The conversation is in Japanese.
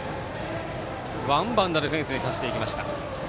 ワンバウンドでフェンスに達していきました。